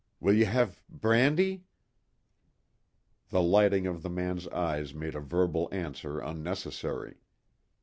"Will you have brandy?" The lighting of the man's eyes made a verbal answer unnecessary.